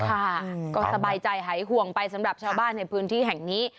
ค่ะก็สบายใจหายห่วงไปสำหรับชาวบ้านในพื้นที่แห่งนี้